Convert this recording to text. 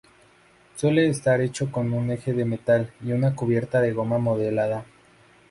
Suele estar hecho con un eje de metal y una cubierta de goma modelada.